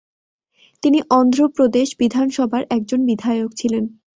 তিনি অন্ধ্রপ্রদেশ বিধানসভার একজন বিধায়ক ছিলেন।